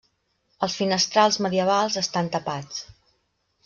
Els finestrals medievals estan tapats.